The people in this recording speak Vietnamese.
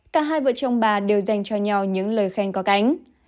cả hai vợ chồng bà đều dành cho nhau những lời khen có cánh